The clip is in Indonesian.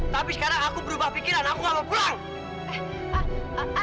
tapi sekarang aku berubah pikiran aku gak mau pulang